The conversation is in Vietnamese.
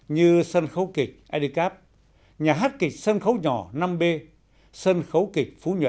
như sân khấu kịch edikap nhà hát kịch sân khấu nhỏ năm b sân khấu kịch phú nhuận